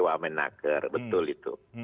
wamenaker betul itu